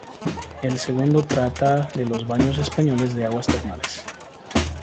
El segundo trata de los baños españoles de aguas termales.